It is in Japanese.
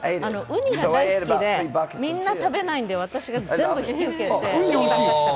ウニが大好きで、みんな食べないので、私が全部引き受けて。